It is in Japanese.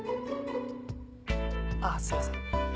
あぁすいません。